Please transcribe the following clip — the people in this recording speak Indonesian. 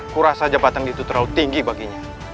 kurasa jabatan itu terlalu tinggi baginya